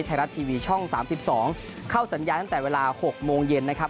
ไทยรัฐทีวีช่อง๓๒เข้าสัญญาณตั้งแต่เวลา๖โมงเย็นนะครับ